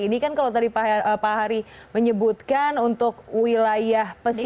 ini kan kalau tadi pak hari menyebutkan untuk wilayah pesisir